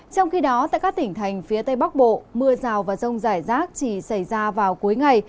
trong khi đó tại các tỉnh thành phía tây bắc bộ mưa rào và rông rải rác chỉ xảy ra vào cuối ngày